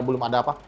belum ada apa